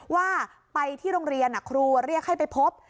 ว่าไปที่โรงเรียนครูเรียกให้ไปพบ